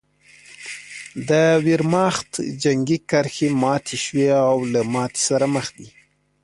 د ویرماخت جنګي کرښې ماتې شوې او له ماتې سره مخ دي